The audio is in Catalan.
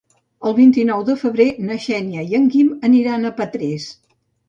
El vint-i-nou de febrer na Xènia i en Guim aniran a Petrés.